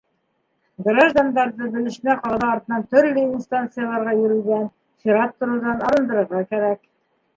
— Граждандарҙы белешмә ҡағыҙы артынан төрлө инстанцияларға йөрөүҙән, сират тороуҙан арындырырға кәрәк.